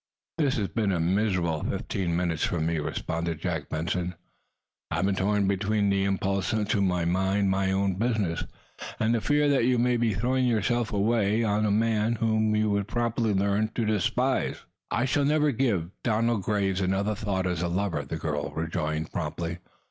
"This has been a miserable fifteen minutes for me." responded Jack Benson. "I have been torn between the impulse to mind my own business, and the fear that you may be throwing yourself away on a man whom you would promptly learn to despise." "I shall never give Donald Graves another thought as a lover," the girl rejoined, promptly.